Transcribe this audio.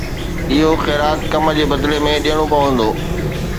اهو خيرات ڪم جي بدلي ۾ ڏيڻو پوندو.